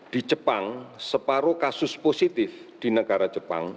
di jepang separuh kasus positif di negara jepang